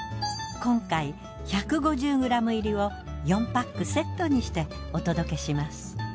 今回１５０ｇ入りを４パックセットにしてお届けします。